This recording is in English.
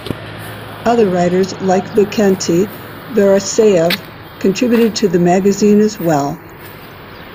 Other writers like Vikenty Veresayev contributed to the magazine as well.